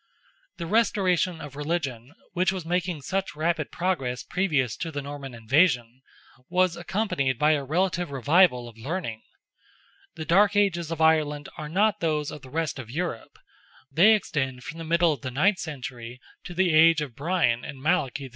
The restoration of religion, which was making such rapid progress previous to the Norman invasion, was accompanied by a relative revival of learning. The dark ages of Ireland are not those of the rest of Europe—they extend from the middle of the ninth century to the age of Brian and Malachy II.